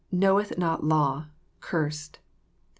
knoweth not law*.. cursed.'